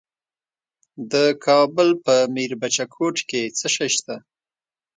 د کابل په میربچه کوټ کې څه شی شته؟